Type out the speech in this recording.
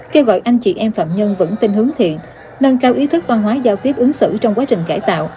kêu gọi anh chị em phạm nhân vững tin hướng thiện nâng cao ý thức văn hóa giao tiếp ứng xử trong quá trình cải tạo